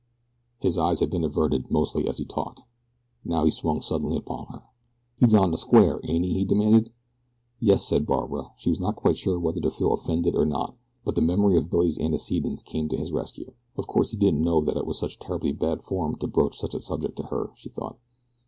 His eyes had been averted, mostly, as he talked. Now he swung suddenly upon her. "He's on de square, ain't he?" he demanded. "Yes," said Barbara. She was not quite sure whether to feel offended, or not. But the memory of Billy's antecedents came to his rescue. Of course he didn't know that it was such terribly bad form to broach such a subject to her, she thought.